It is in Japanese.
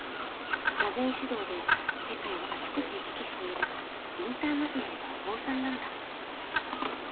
座禅指導で世界をあちこち行き来しているインターナショナルなお坊さんなんだ。